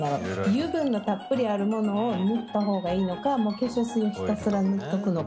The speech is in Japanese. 油分のたっぷりあるものを塗った方がいいのかもう化粧水をひたすら塗っとくのか？